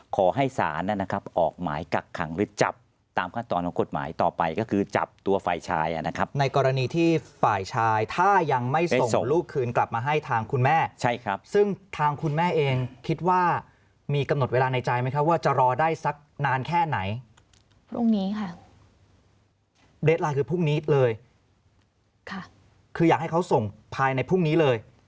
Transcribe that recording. ขอให้ศาลนะครับออกหมายกักขังหรือจับตามขั้นตอนของกฎหมายต่อไปก็คือจับตัวฝ่ายชายนะครับในกรณีที่ฝ่ายชายถ้ายังไม่ส่งลูกคืนกลับมาให้ทางคุณแม่ใช่ครับซึ่งทางคุณแม่เองคิดว่ามีกำหนดเวลาในใจไหมครับว่าจะรอได้สักนานแค่ไหนพรุ่งนี้ค่ะเดทไลน์คือพรุ่งนี้เลยคืออยากให้เขาส่งภายในพรุ่งนี้เลย